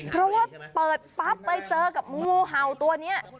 เพราะว่าเปิดปั๊บไปเจอกับงูเห่าตัวนี้